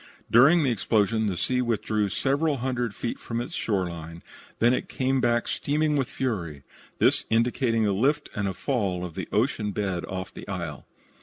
During the explosion the sea withdrew several hundred feet from its shore line, and then came back steaming with fury; this indicating a lift and fall of the ocean bed off the isle.